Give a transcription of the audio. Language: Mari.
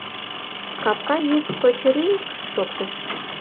Капка йӱк кочыри-ик шоктыш.